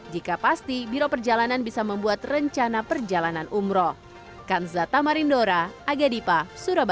jika pasti biro perjalanan bisa membuat rencana perjalanan umroh